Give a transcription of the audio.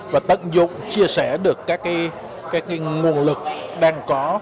và tận dụng chia sẻ được các nguồn lực đang có